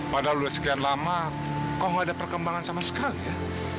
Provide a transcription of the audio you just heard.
padahal udah sekian lama kok nggak ada perkembangan sama sekali ya